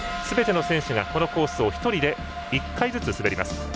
すべての選手が、このコースを１人で１回ずつ滑ります。